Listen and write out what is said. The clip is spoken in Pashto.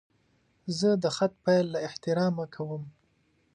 زه د خط پیل له احترامه کوم.